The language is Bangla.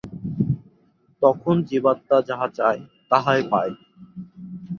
তখন জীবাত্মা যাহা চায়, তাহাই পায়।